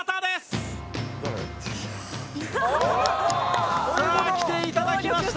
そういう事？」さあ来ていただきました！